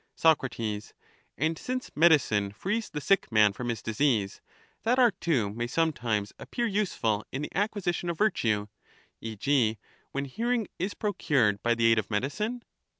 Soc. And since medicine frees the sick man from his disease, that art too may sometimes appear useful in the acquisition of virtue, e. g. when hearing is procured by the aid of medicine.